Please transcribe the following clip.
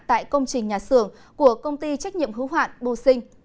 tại công trình nhà xưởng của công ty trách nhiệm hữu hoạn bồ sinh